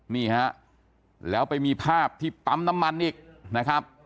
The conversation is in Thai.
นี่ฮะแล้วไปมีภาพที่ปั๊มน้ำมันอีกนะครับ